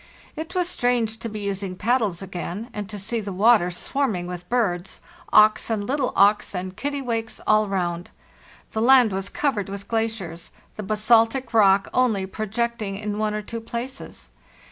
It was strange to be using paddles again and to see the water swarming with birds—auks and little auks and kittiwakes all round. The land was covered with glaciers, the basaltic rock only projecting in one or two places.